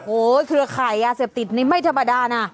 โอ้โหเครือข่ายยาเสพติดนี่ไม่ธรรมดานะ